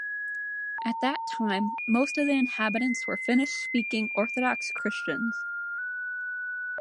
At that time, most of the inhabitants were Finnish-speaking Orthodox Christians.